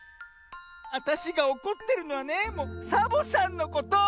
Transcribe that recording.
わたしがおこってるのはねサボさんのこと。